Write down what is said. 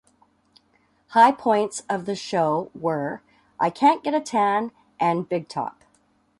High points of the show were "I Can't Get a Tan" and "Big Top".